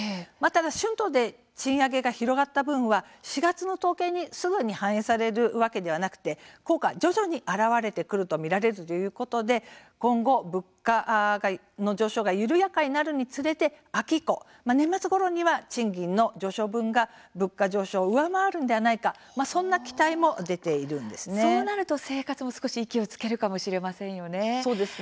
春闘で賃上げが広がった分は４月の統計にすぐ反映されるわけではなくて徐々に表れてくると見られているということでこの物価の上昇が緩やかになるつれて年末ごろには賃金の上昇分が物価上昇を上回るのではないかそうなると生活も息をつけるかもしれませんね。